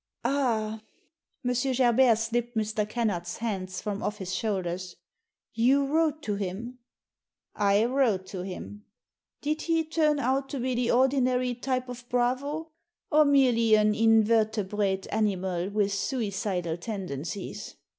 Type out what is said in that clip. *Ah!" M. Gerbert slipped Mr. Kennard's hands from off his shoulders. " You wrote to him ?"" I wrote to him." Did he turn out to be the ordinary type of bravo, or merely an invertebrate animal with suicidal ten dencies